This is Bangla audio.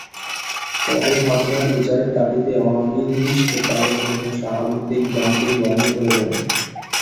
পরে ঘটনার বিচারের দাবিতে অনির্দিষ্টকালের জন্য সাহাবুদ্দীন ক্যানটিন বন্ধ করে দেন।